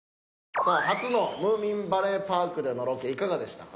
さあ初のムーミンバレーパークでのロケいかがでしたか？